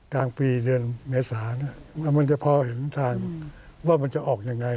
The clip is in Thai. กลางปีเดือนเมษาแล้วมันจะพอเห็นทางว่ามันจะออกยังไง